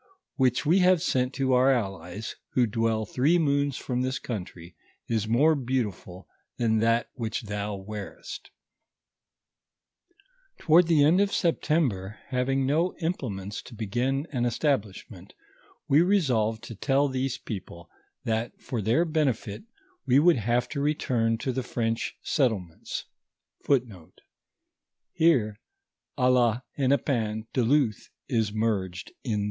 141 which we have sent to our allies, who dwell three moons from this country, is more beautiful than tha* which thou wearest." Toward the end of September, having no implements to begin an establishment, we resolved to toll these people, that for their benefit, we would have to return to the French set tlements.